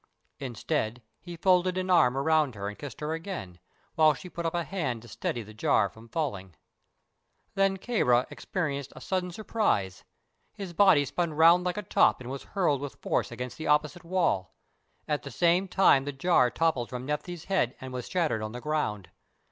Instead, he folded an arm around her and kissed her again, while she put up a hand to steady the jar from falling. Then Kāra experienced a sudden surprise. His body spun around like a top and was hurled with force against the opposite wall. At the same time the jar toppled from Nephthys' head and was shattered on the ground.